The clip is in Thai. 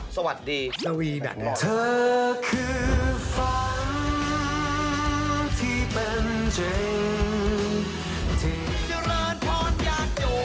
ก็มีเพียง๒เรื่องทำรายได้ทะลุ๑๐๐ล้านบาท